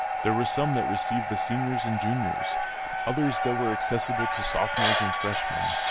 There were some that received the Seniors and Juniors; others that were accessible to Sophomores and Freshmen.